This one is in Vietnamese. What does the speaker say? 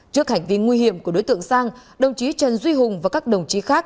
trước hành vi nguy hiểm của đối tượng sang đồng chí trần duy hùng và các đồng chí khác